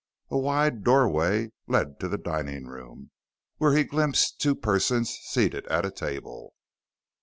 A wide doorway led to the dining room, where he glimpsed two persons seated at a table.